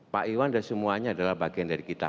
pak iwan dan semuanya adalah bagian dari kita